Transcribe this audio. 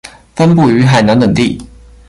分布于海南等地。